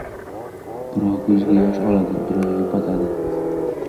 Birov ko‘ziga yosh oladi. Birov yupatadi: